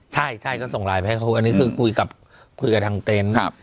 ใช่ใช่ก็ส่งไลน์ไปให้เขาอันนี้คือคุยกับคุยกับทางเต็นต์